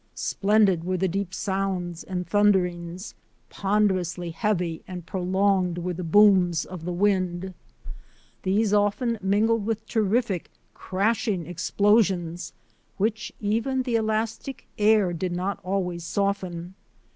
Splendid were the deep sounds and thunderings, WIND RAPIDS ON THE HEIGHTS 83 ponderously heavy and prolonged were the booms of the wind. These often mingled with terrific, crashing explosions which even the elastic air did not always soften.